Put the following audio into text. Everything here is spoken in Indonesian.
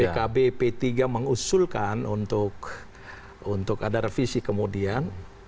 pkb p tiga mengusulkan untuk ada revisi kemudian